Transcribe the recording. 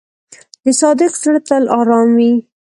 د صادق زړه تل آرام وي.